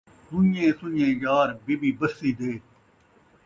سن٘ڄے سن٘ڄے یار بی بی بسّی دے